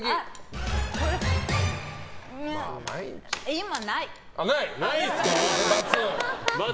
今ない。